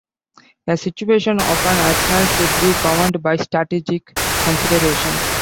The situation of an arsenal should be governed by strategic considerations.